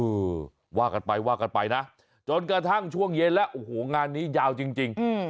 เออว่ากันไปว่ากันไปนะจนกระทั่งช่วงเย็นแล้วโอ้โหงานนี้ยาวจริงจริงอืม